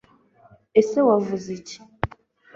ese wavuze iki